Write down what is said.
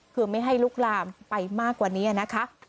คือไม่ให้ลุกลามไปมากกว่านี้นะคะ